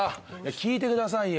聞いてくださいよ。